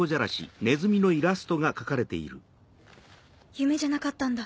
夢じゃなかったんだ